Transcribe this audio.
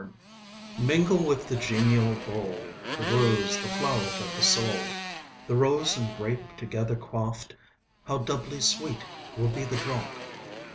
] ODE 5 Mingle with the genial bowl The Rose, the 'flow'ret' of the Soul, The Rose and Grape together quaff'd, How doubly sweet will be the draught!